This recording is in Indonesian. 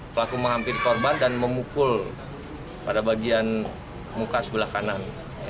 pelaku menghampiri korban dan memukul pada bagian muka sebelah kanan